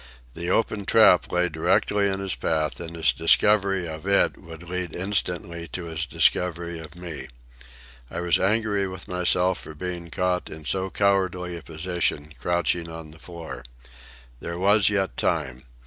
The open trap lay directly in his path, and his discovery of it would lead instantly to his discovery of me. I was angry with myself for being caught in so cowardly a position, crouching on the floor. There was yet time.